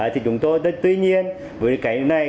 thì chúng tôi tuy nhiên với cái này